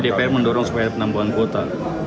jadi bpkh mendorong supaya penambahan kuota